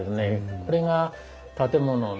これが建物をね